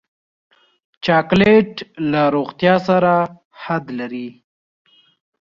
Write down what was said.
چاکلېټ له روغتیا سره حد لري.